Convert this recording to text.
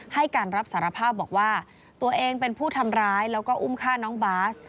ให้การรับสารภาพบอกว่าตัวเองเป็นผู้ทำร้ายแล้วก็อุ้มฆ่าน้องบาส